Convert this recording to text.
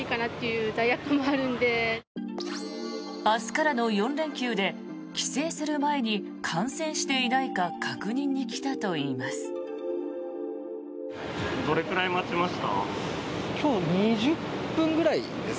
明日からの４連休で帰省する前に感染していないか確認に来たといいます。